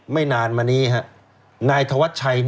ไม่นานมานี้นายธวัชชัย